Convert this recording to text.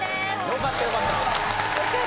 よかったよかった。